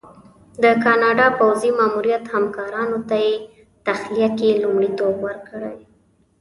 د کاناډا پوځي ماموریت همکارانو ته یې په تخلیه کې لومړیتوب ورکړی.